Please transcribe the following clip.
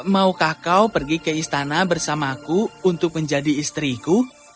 maukah kau pergi ke istana bersamaku untuk menjadi istriku